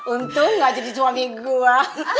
untung gak jadi suami gue